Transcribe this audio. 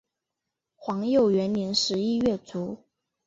皇佑元年十一月卒。